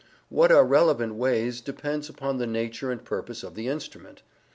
What are relevant ways depends upon the nature and purpose of the instrument.